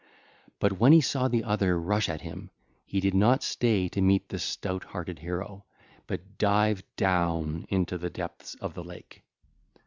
But when he saw the other rush at him, he did not stay to meet the stout hearted hero but dived down to the depths of the lake.